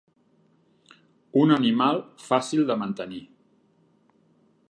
Un animal fàcil de mantenir.